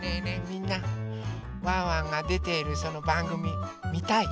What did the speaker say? みんなワンワンがでているそのばんぐみみたい？